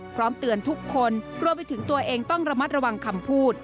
พร้อมเตือนทุกคนรวมไปถึงตัวเองต้องระมัดระวังคำพูด